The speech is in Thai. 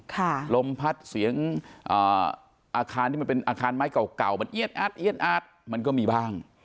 ค่ะลมพัดเสียงอาคารที่มันเป็นอาคารไม้เก่ามันเอี๊ยดอาดมันก็มีบ้าง